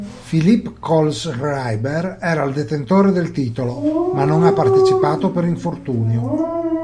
Philipp Kohlschreiber era il detentore del titolo, ma non ha partecipato per infortunio.